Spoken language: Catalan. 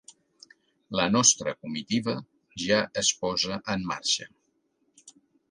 La nostra comitiva ja es posa en marxa